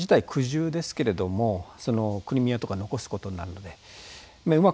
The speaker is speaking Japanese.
これ自体、苦渋ですけれどもクリミアなどを残すことになるので。